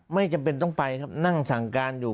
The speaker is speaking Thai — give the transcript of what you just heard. ไม่จำเป็นต้องไปครับนั่งสั่งการอยู่